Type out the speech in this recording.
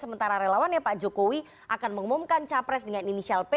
sementara relawannya pak jokowi akan mengumumkan capres dengan inisial p